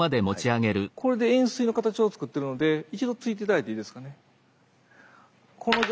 これで円錐の形をつくってるので一度突いて頂いていいですかね。